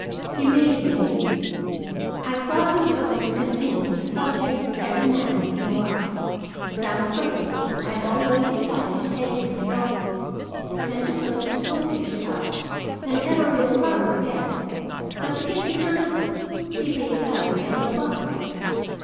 He made me uneasy: I thought he was going to continue the subject of every man needing a wife, and I'm afraid I had already decided to take him if he offered, and to put the school teacher out and have a real parlor again, but to keep Mr. Reynolds, he being tidy and no bother.